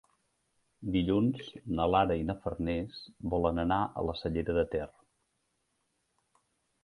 Dilluns na Lara i na Farners volen anar a la Cellera de Ter.